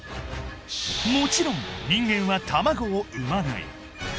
もちろん人間は卵を産まない